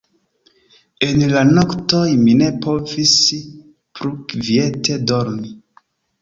En la noktoj mi ne povis plu kviete dormi.